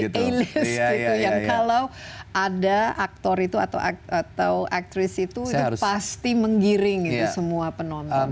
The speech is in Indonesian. iya di a list gitu yang kalau ada aktor itu atau aktris itu pasti menggiring gitu semua penonton